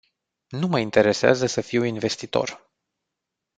Nu mă interesează să fiu investitor.